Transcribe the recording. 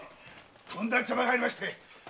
とんだ邪魔が入りまして。